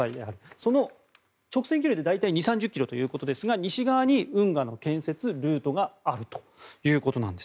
その直線距離で大体２０３０ｋｍということですが西側に運河の建設ルートがあるということです。